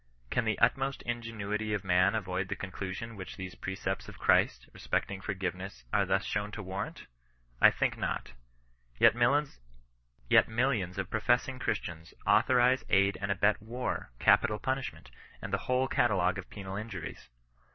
Can the utmost ingenuity of man avoid the conclusion which these precepts of Christ, respecting forgiveness, are thus shown to warrant ! I think not. Yet millions of professing Christians, authorize, aid, and abet war, capital punishment, and the whole catalogue of penal injuries.